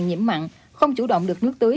nhiễm mặn không chủ động được nước tưới